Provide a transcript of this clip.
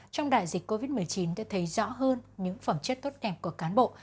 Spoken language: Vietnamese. trong đại dịch covid một mươi chín tôi thấy rõ hơn những phẩm chất tốt đẹp của cán bộ